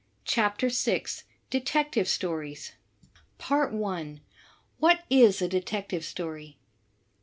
CHAPTER VI DETECTIVE STORIES I. What is a Detective Story?